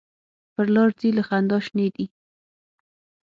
پر لار ځي له خندا شینې دي.